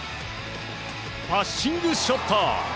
パッシングショット！